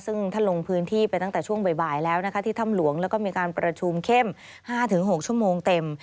ซึ่งท่านลงพื้นที่ไปตั้งแต่ช่วงบ่ายแล้วนะคะที่ถ้ำหลวงแล้วก็มีการประชุมเข้ม๕๖ชั่วโมงเต็ม